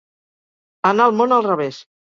Anar el món al revés.